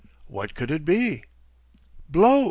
What could it be? "Blow!"